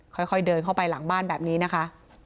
ค่อยเดินเข้าไปหลังบ้านแบบนี้นะคะ